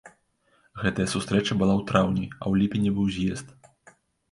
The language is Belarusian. Гэтая сустрэча была ў траўні, а ў ліпені быў з'езд.